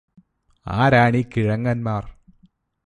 ആരാണീ കിഴങ്ങന്മാര്